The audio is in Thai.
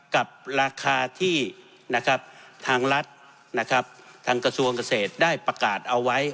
กับราคาที่นะครับทางรัฐนะครับทางกระทรวงเกษตรได้ประกาศเอาไว้